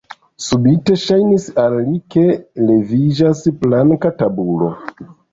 Subite ŝajnis al li, ke leviĝas planka tabulo.